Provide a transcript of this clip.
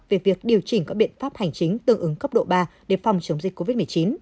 về việc điều chỉnh các biện pháp hành chính tương ứng cấp độ ba để phòng chống dịch covid một mươi chín